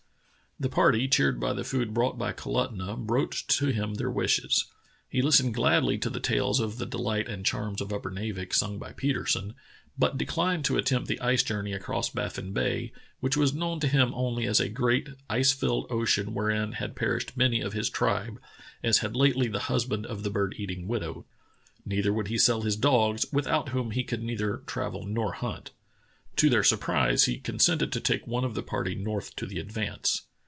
Tlie party, cheered by the food brought by Kalutunah, broached to him their wishes. He Hstened gladly to the tales of the delight and charms of Upernavik sung b}^ Petersen, but declined to attempt the ice journey across Baffin Ba}^ which was known to him only as a great, ice filled ocean wherein had perished many of his tribe, as had lately the husband of the bird eating widow. Neither would he sell his dogs, without whom he could neither travel nor hunt. To their surprise he consented to take one of the party north to the Advance.